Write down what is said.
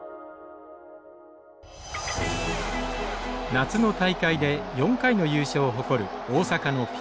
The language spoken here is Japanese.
夏の大会で４回の優勝を誇る大阪のＰＬ学園。